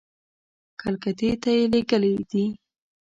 کلکتې ته یې لېږلي دي.